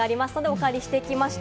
お借りしてきました。